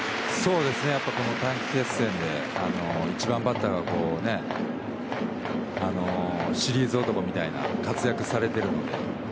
やっぱり短期決戦で１番バッターがシリーズ男みたいな活躍をされているので。